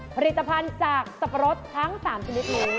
ผลิตภัณฑ์จากสับปะรดทั้ง๓ชนิดนี้